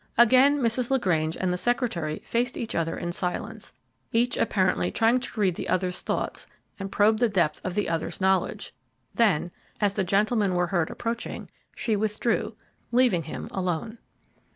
Again Mrs. LaGrange and the secretary faced each other in silence, each apparently trying to read the other's thoughts and probe the depth of the other's knowledge; then, as the gentlemen were heard approaching, she withdrew, leaving him alone.